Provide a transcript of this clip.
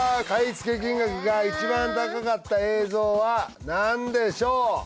買い付け金額が一番高かった映像は何でしょう？